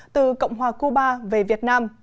từ cộng hòa cuba về việt nam